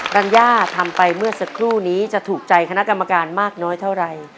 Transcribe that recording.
รัญญาทำไปเมื่อสักครู่นี้จะถูกใจคณะกรรมการมากน้อยเท่าไหร่